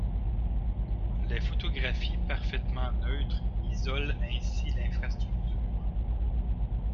Les photographies parfaitement neutres isolent ainsi l'infrastructure.